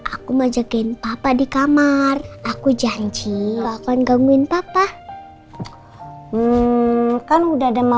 ini banget gak pous tanti mismo